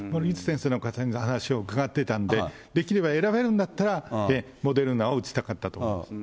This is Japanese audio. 森内先生のお話を伺ってたんで、できれば選べるんだったら、モデルナを打ちたかったと。